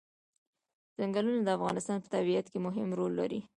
ځنګلونه د افغانستان په طبیعت کې مهم رول لري.